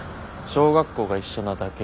小学校が一緒なだけ。